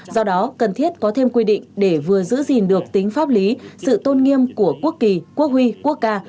do đó cần thiết có thêm quy định để vừa giữ gìn được tính pháp lý sự tôn nghiêm của quốc kỳ quốc huy quốc ca